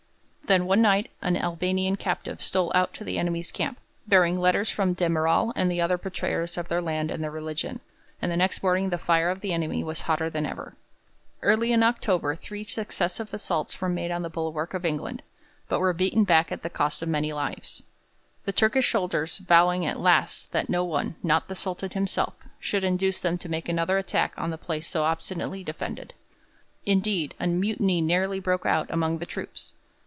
Then one night an Albanian captive stole out to the enemy's camp, bearing letters from de Merall and the other betrayers of their land and their religion, and the next morning the fire of the enemy was hotter than ever. Early in October three successive assaults were made on the bulwark of England, but were beaten back at the cost of many lives, the Turkish soldiers vowing at last that no one, not the Sultan himself, should induce them to make another attack on a place so obstinately defended. Indeed, a mutiny nearly broke out among the troops.